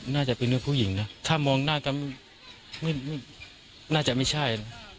น่าจะเป็นเรื่องผู้หญิงนะถ้ามองหน้าก็น่าจะไม่ใช่นะ